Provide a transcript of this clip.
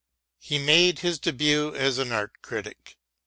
He made his début as an art critic.